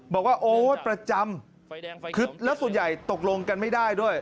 บอกว่าโอ๊ยประจำคือแล้วส่วนใหญ่ตกลงกันไม่ได้ด้วย